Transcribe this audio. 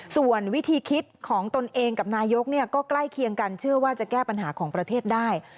ส่วนวิธีคิดของตนเองกับนายกก็ใกล้เคียงกันเชื่อว่าจะแก้ปัญหาของประเทศได้